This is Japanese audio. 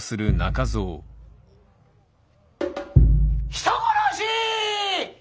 「人殺し！」。